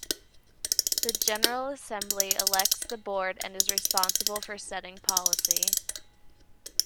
The General Assembly elects the Board and is responsible for setting policy.